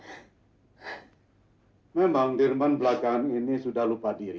yang terakhir memang dirman belakaan ini sudah lupa diri